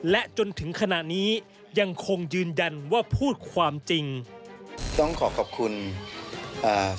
และจนถึงขณะนี้ยังคงยืนยันว่าพูดความจริงต้องขอขอบคุณอ่า